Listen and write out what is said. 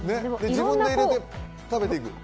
自分で入れて食べていくと。